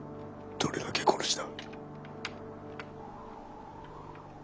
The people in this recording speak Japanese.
どれだけ殺した？